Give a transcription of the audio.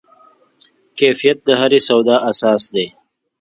کیفیت د هرې سودا اساس دی.